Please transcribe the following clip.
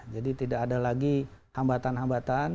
jadi tidak ada lagi hambatan hambatan